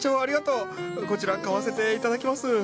こちら買わせて頂きます！